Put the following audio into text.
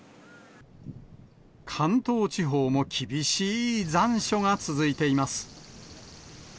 関東地方も厳しい残暑が続いています。